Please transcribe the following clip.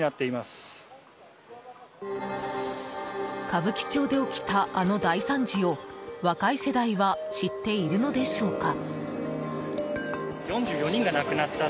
歌舞伎町で起きたあの大惨事を若い世代は知っているのでしょうか？